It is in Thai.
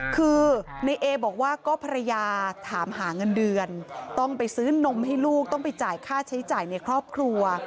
คือในเอบอกว่าก็ภรรยาถามหาเงินเดือนต้องไปซื้อนมให้ลูกต้องไปจ่ายค่าใช้จ่ายในครอบครัว